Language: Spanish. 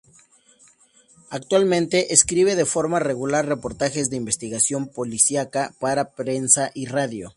Actualmente escribe de forma regular reportajes de investigación policíaca para prensa y radio.